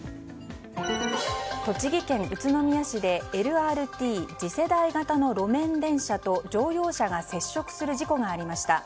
栃木県宇都宮市でＬＲＴ・次世代型の路面電車と乗用車が接触する事故がありました。